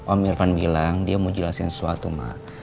om irfan bilang dia mau jelasin sesuatu mak